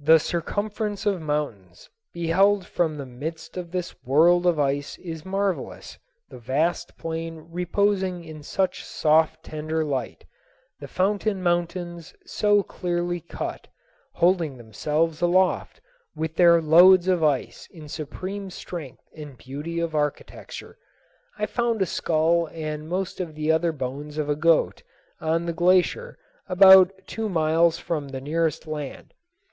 The circumference of mountains beheld from the midst of this world of ice is marvelous, the vast plain reposing in such soft tender light, the fountain mountains so clearly cut, holding themselves aloft with their loads of ice in supreme strength and beauty of architecture. I found a skull and most of the other bones of a goat on the glacier about two miles from the nearest land.